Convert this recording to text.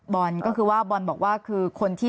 บอลก็คือว่าบอลบอกว่าคือคนที่